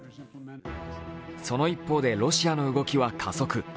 その一方でロシアの動きは加速。